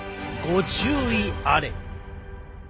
ご注意あれ。